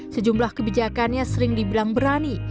sejumlah kebijakannya sering dibilang berani